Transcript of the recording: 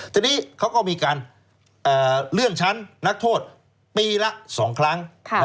ทีนี้เขาก็มีการเลื่อนชั้นนักโทษปีละ๒ครั้ง